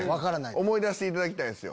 思い出していただきたいんすよ。